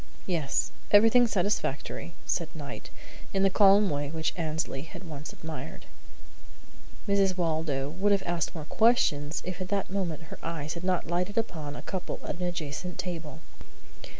"Yes. Everything satisfactory," said Knight, in the calm way which Annesley had once admired. Mrs. Waldo would have asked more questions if at that moment her eyes had not lighted upon a couple at an adjacent table.